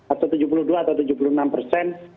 atau tujuh puluh dua atau tujuh puluh enam persen